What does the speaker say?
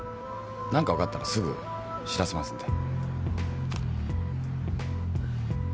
何か分かったらすぐ知らせますんで。